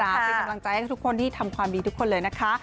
เป็นกำลังใจให้ทุกคนที่ทำความดีทุกคนเลยนะคะ